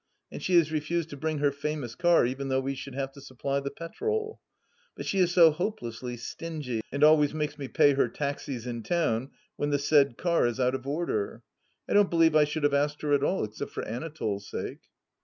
And she has refused to bring her famous car, even though we should have to supply the petrol ; but she is so hopelessly stingy, and always makes me pay her taxis in town, when the said car is out of order. I don't believe I should have asked her at all except for Anatole's sake.